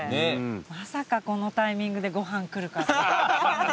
まさかこのタイミングでご飯来るかと。